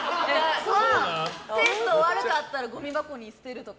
テスト悪かったらごみ箱に捨てるとか。